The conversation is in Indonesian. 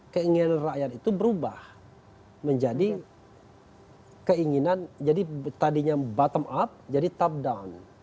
keinginan rakyat itu berubah menjadi keinginan jadi tadinya bottom up jadi top down